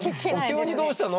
「急にどうしたの？」